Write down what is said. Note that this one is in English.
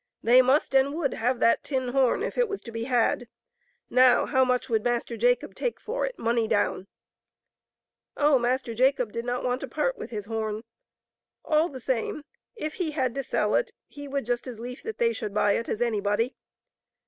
They must and would have that tin horn if it was to be had ; now, how much would Master Jacob take for it, money down ? Oh, Master Jacob did not want to part with his horn 1 all the same, if he had to sell it, he would just as lief that they should buy it as anybody.